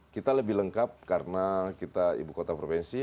kita lebih lengkap karena kita ibu kota provinsi